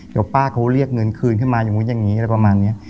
เดี๋ยวป้าเขาเรียกเงินคืนให้มาอย่างนี้ประมาณนี้